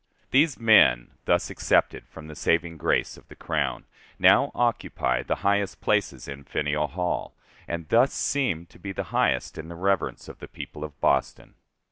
These men, thus excepted from the saving grace of the crown, now occupy the highest places in Faneuil Hall, and thus seem to be the highest in the reverence of the people of Boston.